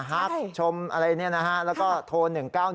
ฮักชมอะไรเนี่ยนะฮะแล้วก็โทร๑๙๑